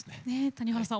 谷原さん